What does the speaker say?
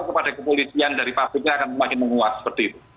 kepolisian dari pak peknya akan semakin menguat seperti itu